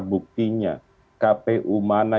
buktinya kpu mana